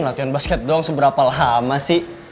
latihan basket doang seberapa lama sih